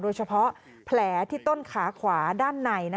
โดยเฉพาะแผลที่ต้นขาขวาด้านใน